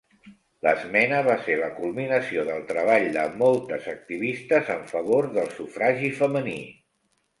L'esmena va ser la culminació del treball de moltes activistes en favor del sufragi femení.